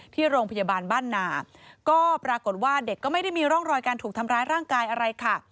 ที่โรงพยาบาลบ้านนาก็ปรากฏว่าเด็กก็ไม่ได้มีร่องรอยการถูกทำร้ายร่างกายอะไรค่ะ